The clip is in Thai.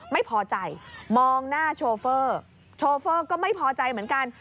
ไม่พอใจมองหน้าโชเฟอร์โชเฟอร์ก็ไม่พอใจเหมือนกัน